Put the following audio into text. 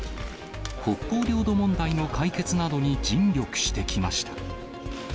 北方領土問題の解決などに尽力してきました。